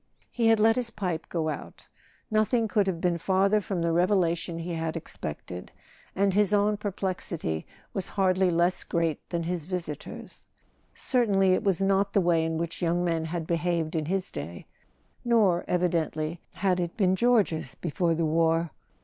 He had let his pipe go out. Nothing could have been farther from the reve¬ lation he had expected, and his own perplexity was hardly less great than his visitor's. Certainly it was not the way in which young men had behaved in his day—nor, evidently, had it been George's before the war.